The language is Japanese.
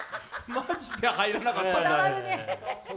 マジで入らなかったんです。